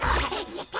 やった！